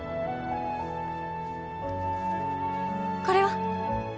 これは？